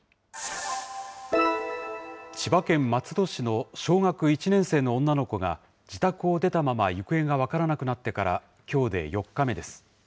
千葉県松戸市の小学１年生の女の子が、自宅を出たまま行方が分からなくなってから、きょうで４日目です。